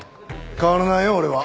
変わらないよ俺は。